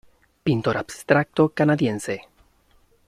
Pintor abstracto canadiense.